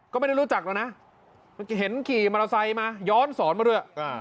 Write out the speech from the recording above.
ก็ไม่ได้รู้จักแล้วนะเห็นขี่มรสัยมาย้อนสอนมาเรื่อยัง